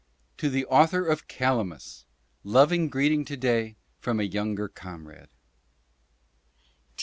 To the author of "Calamus," loving greeting to day from a younger comrade.